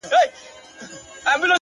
هغه به خپل زړه په ژړا وویني،